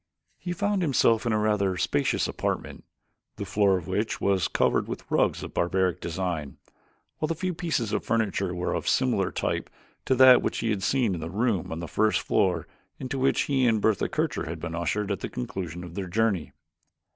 He found himself in a rather spacious apartment, the floor of which was covered with rugs of barbaric design, while the few pieces of furniture were of a similar type to that which he had seen in the room on the first floor into which he and Bertha Kircher had been ushered at the conclusion of their journey.